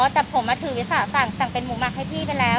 อ๋อแต่ผมมาถือวิทยาศาสตร์สั่งสั่งเป็นหมูหมักให้พี่ไปแล้ว